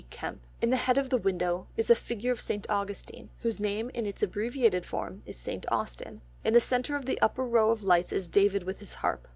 Kemp. In the head of the window is a figure of St. Augustine whose name in its abbreviated form is St. Austin. In the centre of the upper row of lights is David with his harp.